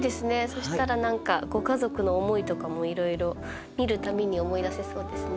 そしたら何かご家族の思いとかもいろいろ見る度に思い出せそうですね。